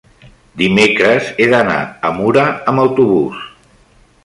dimecres he d'anar a Mura amb autobús.